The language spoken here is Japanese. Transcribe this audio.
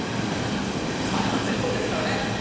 まあ全部ですからね。